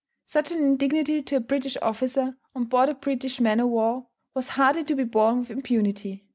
Such an indignity to a British officer, on board a British man o' war, was hardly to be borne with impunity.